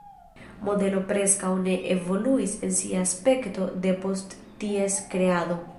Modelo preskaŭ ne evoluis en sia aspekto depost ties kreado.